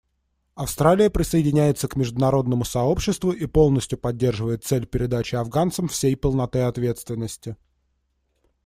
Австралия присоединяется к международному сообществу и полностью поддерживает цель передачи афганцам всей полноты ответственности.